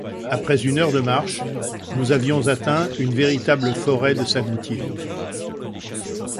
Après une heure de marche, nous avions atteint une véritable forêt de sagoutiers.